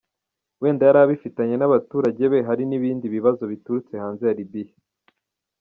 Wenda yari abifitanye n’abaturage be hari n’ibindi bibazo biturutse hanze ya Libiya.